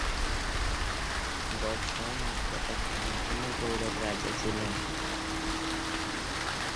বজ্র মাত্র এক দিনের জন্য গৌড়ের রাজা ছিলেন।